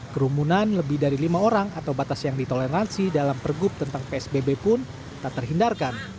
kerumunan lebih dari lima orang atau batas yang ditoleransi dalam pergub tentang psbb pun tak terhindarkan